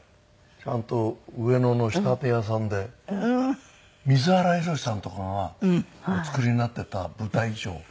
ちゃんと上野の仕立て屋さんで水原弘さんとかがお作りになってた舞台衣装